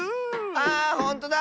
あほんとだ！